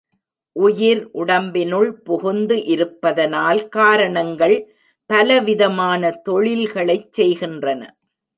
உயிர் உடம்பினுள் புகுந்து இருப்பதனால் கரணங்கள் பல விதமான தொழில்களைச் செய்கின்றன.